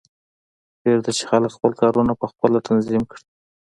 پریږده چې خلک خپل کارونه پخپله تنظیم کړي